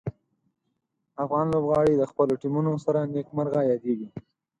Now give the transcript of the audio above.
افغان لوبغاړي د خپلو ټیمونو سره نیک مرغه یادیږي.